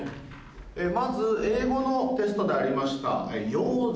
まず英語のテストでありました「要人」